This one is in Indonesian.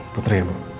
putri ya bu